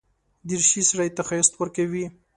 دریشي سړي ته ښايست ورکوي.